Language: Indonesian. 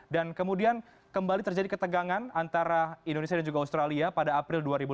dan kemudian kembali terjadi ketegangan antara indonesia dan juga australia pada april dua ribu empat belas